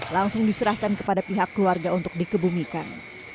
langsung diserahkan kepada pihak keluarga untuk dikebumikan